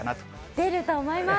出ると思います。